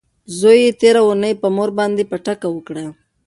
زوی یې تیره اونۍ په مور باندې پټکه وکړه.